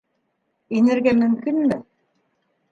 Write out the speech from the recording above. — Инергә мөмкинме?